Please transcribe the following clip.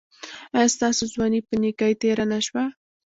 ایا ستاسو ځواني په نیکۍ تیره نه شوه؟